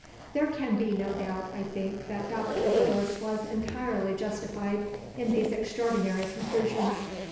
There can be no doubt, I think, that Dr. Lewis was entirely justified in these extraordinary conclusions.